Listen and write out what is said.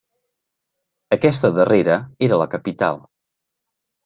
Aquesta darrera era la capital.